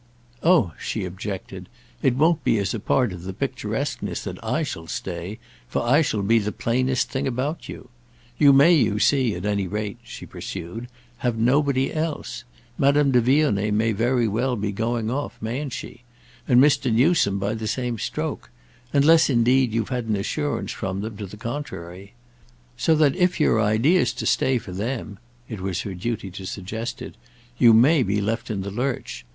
"Oh," she objected, "it won't be as a part of the picturesqueness that I shall stay, for I shall be the plainest thing about you. You may, you see, at any rate," she pursued, "have nobody else. Madame de Vionnet may very well be going off, mayn't she?—and Mr. Newsome by the same stroke: unless indeed you've had an assurance from them to the contrary. So that if your idea's to stay for them"—it was her duty to suggest it—"you may be left in the lurch.